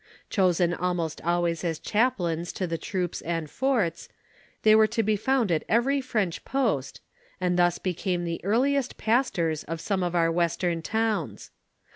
Chosen almost always as chaplains to the troops and forts, they were to be found at every French post, and thus became the earliest pastors of some of our western towns.